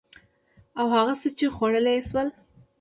او هغه څه چې خوړلي يې شول